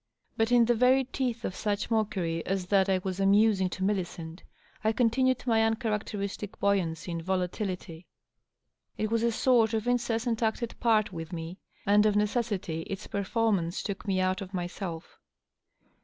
But in the very teeth of such mockery as that I was amusing to Millicent, I continued my uncharacteristic buoyancy and volatility. It was a sort of incessant acted part with me, and of necessity its perform ance took me out of myself.